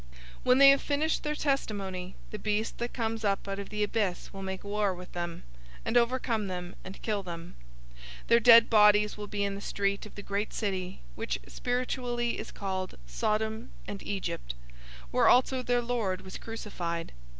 011:007 When they have finished their testimony, the beast that comes up out of the abyss will make war with them, and overcome them, and kill them. 011:008 Their dead bodies will be in the street of the great city, which spiritually is called Sodom and Egypt, where also their Lord was crucified.